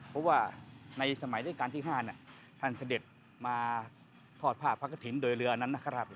เพราะว่าในสมัยด้วยการที่ห้าน่ะท่านเสด็จมาทอดภาพพระกระถิ่นโดยเรือนั้นนะครับ